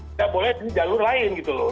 tidak boleh di jalur lain gitu loh